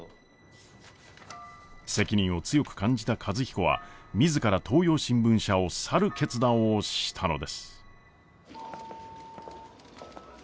責任を強く感じた和彦は自ら東洋新聞社を去る決断をしたのです。